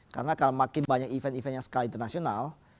karena kalau makin banyak event event yang skala internasional